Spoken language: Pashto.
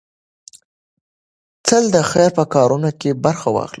تل د خير په کارونو کې برخه واخلئ.